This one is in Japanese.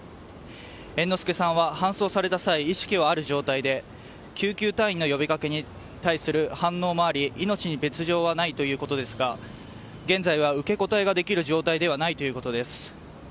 猿之助さんは搬送された際意識はある状態で救急隊員の呼びかけに対する反応もあり命に別条はないということですが現在は受け答えができる状態ではないということです。